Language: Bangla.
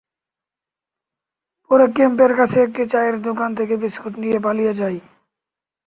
পরে ক্যাম্পের কাছে একটি চায়ের দোকান থেকে বিস্কুট নিয়ে পালিয়ে যায়।